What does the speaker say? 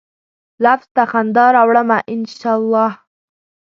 لفظ ته خندا راوړمه ، ان شا الله